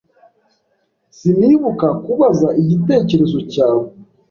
Sinibuka kubaza igitekerezo cyawe.